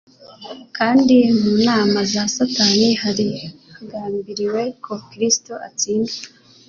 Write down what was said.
kandi mu nama za Satani hari hagambiriwe ko Kristo atsindwa.